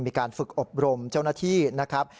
มีการฝึกอบรมเจ้าหน้าที่นะครับ